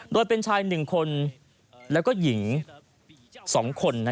โดยเป็นชาย๑คนแล้วก็หญิง๒คน